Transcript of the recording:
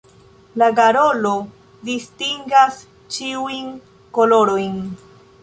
La garolo distingas ĉiujn kolorojn.